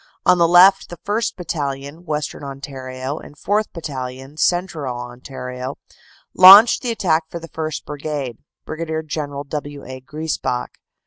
On the left the 1st. Battalion, Western Ontario, and 4th. Battalion, Central Ontario, launched the attack for the 1st. Brigade, Brig. General W. A. Griesbach.